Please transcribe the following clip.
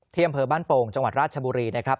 อำเภอบ้านโป่งจังหวัดราชบุรีนะครับ